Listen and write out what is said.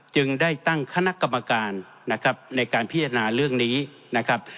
จึงได้ตั้งคณะกรรมการนะครับในการพิจารณาเรื่องนี้นะครับ